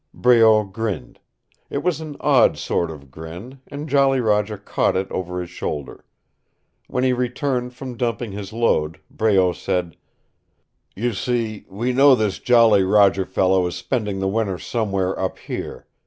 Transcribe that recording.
Breault grinned. It was an odd sort of grin, and Jolly Roger caught it over his shoulder. When he returned from dumping his load, Breault said: "You see, we know this Jolly Roger fellow is spending the winter somewhere up here.